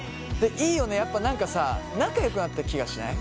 いいよねやっぱ何かさ仲よくなった気がしない？